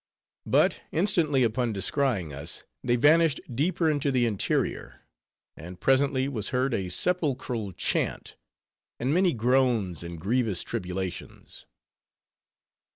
But instantly upon descrying us, they vanished deeper into the interior; and presently was heard a sepulchral chant, and many groans and grievous tribulations.